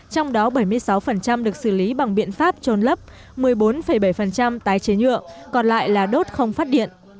trong đó bảy mươi sáu được xử lý bằng biện pháp trôn lấp một mươi bốn bảy tái chế nhựa còn lại là đốt không phát điện